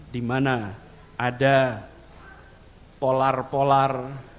dimana ada polar polar